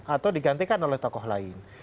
atau digantikan oleh tokoh lain